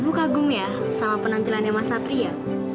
aku kagum ya sama penampilannya mas satria